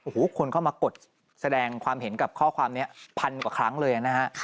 คุณเขาก็มากดแสดงความเห็นกับข้อความนี้๑๐๐๐กว่าครั้งเลย